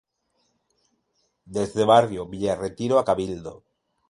Desde barrio Villa Retiro a Cabildo.